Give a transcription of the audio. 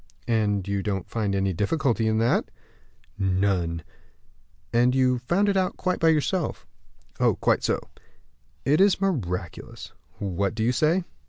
"And you don't find any difficulty in that?" "None." "And you found it out quite by yourself?" "Quite so." "It is miraculous." "What do you say?"